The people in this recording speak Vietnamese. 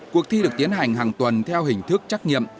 cuộc thi được tiến hành hàng tuần theo hình thức trắc nghiệm